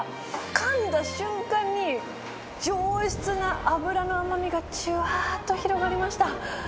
かんだ瞬間に、上質な脂の甘みがじゅわーっと広がりました。